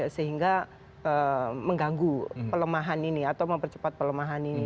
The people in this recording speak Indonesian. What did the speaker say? sehingga mengganggu pelemahan ini atau mempercepat pelemahan ini